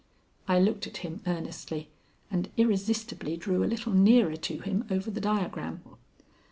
I looked at him earnestly, and irresistibly drew a little nearer to him over the diagram.